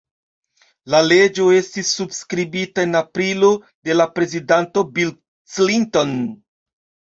La leĝo estis subskribita en aprilo de la prezidanto Bill Clinton.